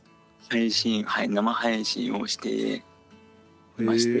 配信はい生配信をしてまして。